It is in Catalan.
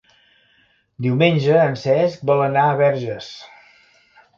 Diumenge en Cesc vol anar a Verges.